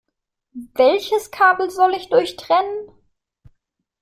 Welches Kabel soll ich durchtrennen?